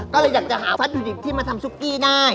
ก็เลยอยากจะหาวัตถุดิบที่มาทำซุกกี้ได้